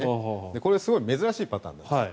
これ、すごい珍しいパターンです。